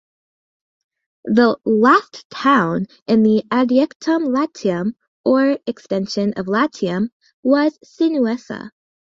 The "last town" in the Adiectum Latium, or "Extension of Latium", was Sinuessa.